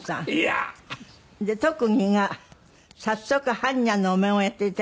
ヤー！で特技が早速般若のお面をやって頂きたいと。